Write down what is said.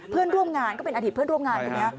เพื่อนร่วมงานก็เป็นอดีตเพื่อนร่วมงานคนนี้